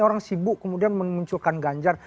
orang sibuk kemudian memunculkan ganjar